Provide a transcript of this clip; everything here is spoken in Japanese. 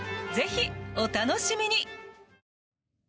ぜひお楽しみに。